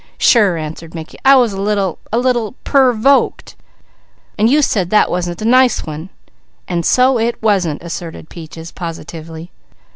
"Sure!" answered Mickey. "I was a little a little per_voked!_ And you said that wasn't a nice one." "And so it wasn't!" asserted Peaches positively.